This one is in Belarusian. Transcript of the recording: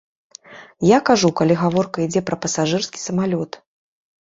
Я кажу, калі гаворка ідзе пра пасажырскі самалёт.